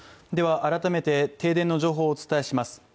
では改めて、停電の情報をお伝えします。